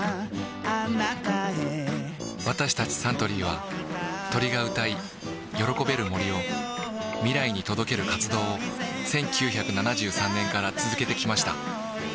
私たちサントリーは鳥が歌い喜べる森を未来に届ける活動を１９７３年から続けてきました